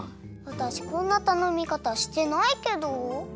わたしこんなたのみかたしてないけど。